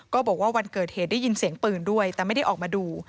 บอกว่าวันเกิดเหตุได้ยินเสียงปืนด้วยแต่ไม่ได้ออกมาดู